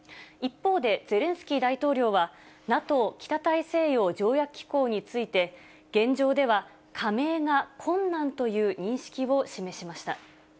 一方で、ゼレンスキー大統領は、ＮＡＴＯ・北大西洋条約機構について、現状では加盟が困難という認識を示しました。